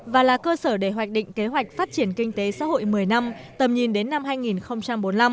và là cơ sở để hoạch định kế hoạch phát triển kinh tế xã hội một mươi năm tầm nhìn đến năm hai nghìn bốn mươi năm